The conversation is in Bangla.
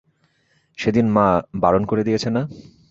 সেদিন মা বারণ করে দিয়েছে না?